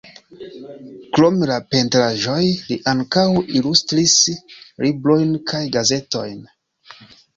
Krom la pentraĵoj li ankaŭ ilustris librojn kaj gazetojn.